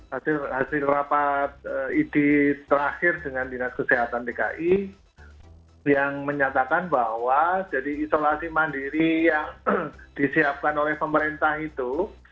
hasil rapat idi terakhir dengan dinas kesehatan dki yang menyatakan bahwa jadi isolasi mandiri yang disiapkan oleh pemerintah itu